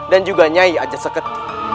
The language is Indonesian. dan juga nyai ajat seket